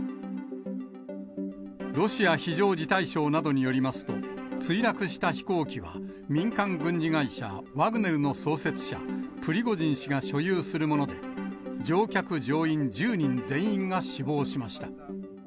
ロシア非常事態省などによりますと、墜落した飛行機は、民間軍事会社、ワグネルの創設者、プリゴジン氏が所有するもので、乗客・乗員１０人全員が死亡しました。